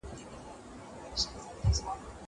زه له سهاره سبزېجات جمع کوم.